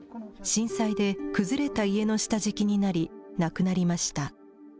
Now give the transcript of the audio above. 震災で崩れた家の下敷きになり、亡くなりました。